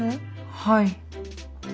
はい。